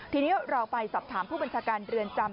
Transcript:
ทีนี้เราไปสอบถามผู้บัญชาการเรือนจำ